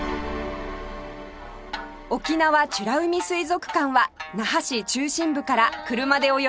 沖縄美ら海水族館は那覇市中心部から車でおよそ２時間